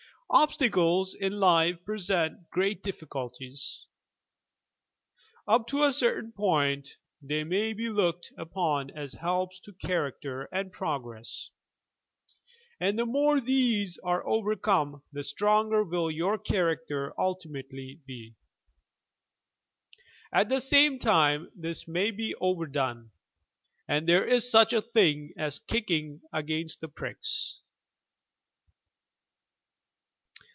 Obstacles in life present great difficulties. Up to a certain point they may be looked upon as helps to character and progress and the more these are over come the stronger will your character ultimately be. At the same time this may be overdone, and there is such a thing as "Kicking against the pricks."